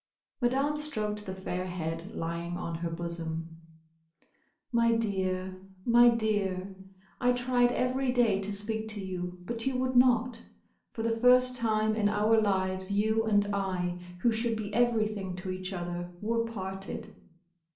Madame stroked the fair head lying on her bosom. "My dear, my dear!—I tried every day to speak to you, but you would not. For the first time in our lives you and I, who should be everything to each other, were parted."